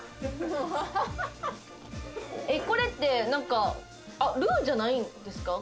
ハハハえっこれって何かあっルーじゃないんですか？